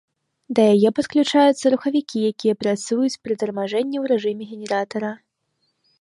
Да яе падключаюцца рухавікі, якія працуюць пры тармажэнні ў рэжыме генератара.